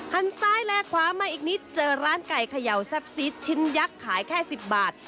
ซ้ายแลกขวามาอีกนิดเจอร้านไก่เขย่าแซ่บซีดชิ้นยักษ์ขายแค่๑๐บาท